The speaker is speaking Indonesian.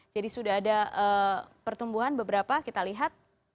jadi sudah ada pertumbuhan beberapa kita lihat